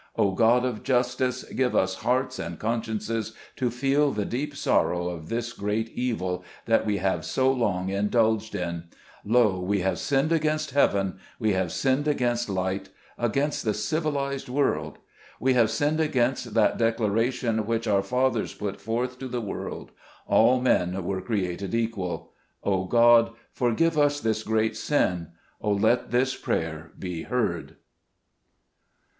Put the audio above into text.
Oh, God of justice ! give us hearts and consciences to feel the deep sorrow of this great evil that we have so long indulged in ! Lo ! we have sinned against Heaven ; we have sinned against light — against the civilized world. We have sinned against that declaration which our fathers put forth to the world, 'All men were cre ated equal.' Oh, God ! forgive us this great sin ! Oh, let this prayer be heard